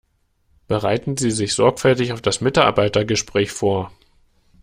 Bereiten Sie sich sorgfältig auf das Mitarbeitergespräch vor!